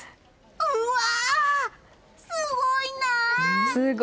うわあ、すごいなあ！